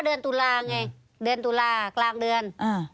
เดินตุลา่เนี่ยเดินตุลา่กลางเดือน